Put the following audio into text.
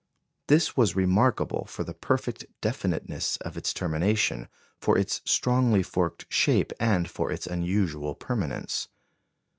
This was remarkable for the perfect definiteness of its termination, for its strongly forked shape, and for its unusual permanence.